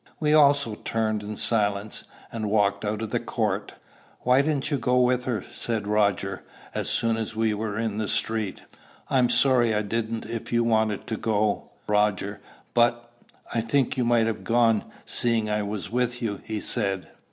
We also turned in silence, and walked out of the court. "Why didn't you go with her?" said Roger, as soon as we were in the street. "I'm sorry I didn't if you wanted to go, Roger; but" "I think you might have gone, seeing I was with you," he said.